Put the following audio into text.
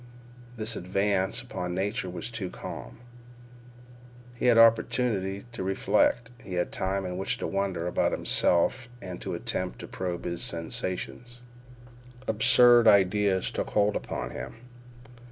This advance upon Nature was too calm. He had opportunity to reflect. He had time in which to wonder about himself and to attempt to probe his sensations. Absurd ideas took hold upon him.